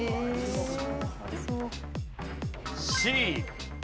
Ｃ。